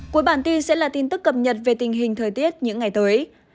cuối bản tin sẽ là tin tức cập nhật về tình hình thời tiết những ngày tới